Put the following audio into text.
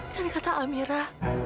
dan kata amira